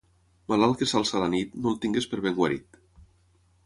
Malalt que s'alça a la nit, no el tingues per ben guarit.